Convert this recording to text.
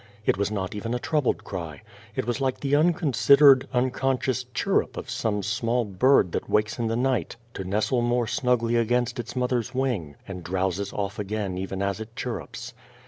It was not even a troubled cry. It was like the un considered, unconscious " chirrup " of some small bird that wakes in the night to nestle more snugly under its mother's wing, and drowses off again even as it chirrups.